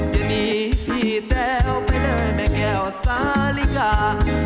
อย่าหนีพี่แจ้วไปเลยแม่แก้วสาลิกา